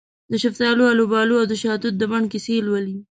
دشفتالو، الوبالواودشاه توت د بڼ کیسې لولې